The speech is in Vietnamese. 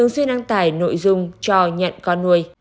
đăng tải nội dung cho nhận con nuôi